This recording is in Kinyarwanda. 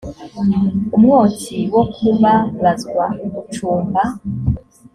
umwotsi wo kubabazwa ucumba